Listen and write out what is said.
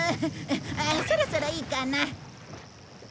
あっそろそろいいかな。